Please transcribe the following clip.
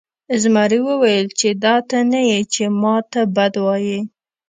زمري وویل چې دا ته نه یې چې ما ته بد وایې.